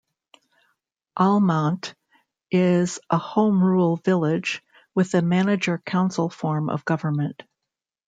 Almont is a home rule village with a manager-council form of government.